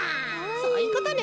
そういうことね。